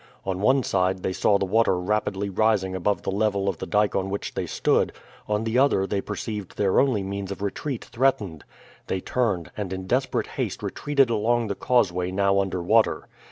On one side they saw the water rapidly rising above the level of the dyke on which they stood, on the other they perceived their only means of retreat threatened. They turned, and in desperate haste retreated along the causeway now under water.